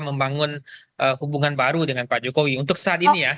membangun hubungan baru dengan pak jokowi untuk saat ini ya